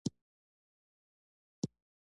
ښتې د افغان کورنیو د دودونو مهم عنصر دی.